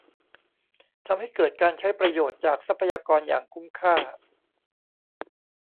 ทำให้เกิดการใช้ประโยชน์จากทรัพยากรอย่างคุ้มค่า